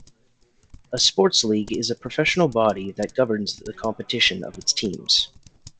A sports league is a professional body that governs the competition of its teams.